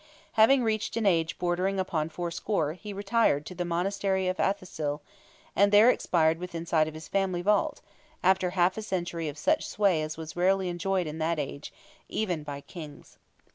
Having reached an age bordering upon fourscore he retired to the Monastery of Athassil, and there expired within sight of his family vault, after half a century of such sway as was rarely enjoyed in that age, even by Kings.